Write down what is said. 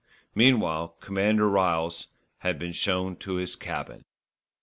Meanwhile Commander Ryles had been shown to his cabin.